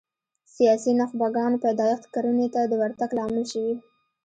سیاسي نخبګانو پیدایښت کرنې ته د ورتګ لامل شوي